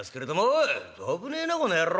「おい危ねえなこの野郎。